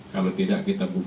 kalau tidak kita buka